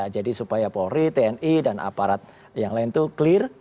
jadi supaya polri tni dan aparat yang lain itu clear